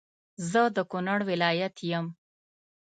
زه د کونړ ولایت يم